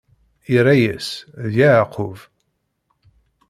Irra-yas: D Yeɛqub.